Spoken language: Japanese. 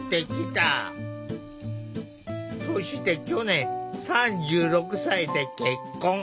そして去年３６歳で結婚。